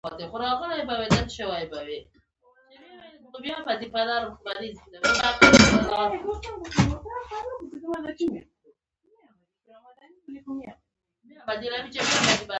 په افریقا په لوېدیځ کې ټول سیریلیون د برېټانیا تر استعمار لاندې راغی.